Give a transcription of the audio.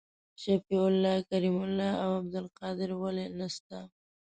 شفیع الله کریم الله او عبدالقادر ولي نسته؟